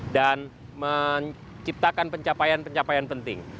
dan menciptakan pencapaian pencapaian penting